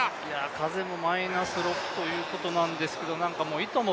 風もマイナス６ということなんですけどいとも